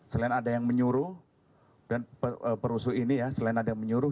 selain ada yang menyuruh dan perusuh ini ya selain ada yang menyuruh